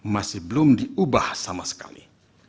masih belum diubah sama sekali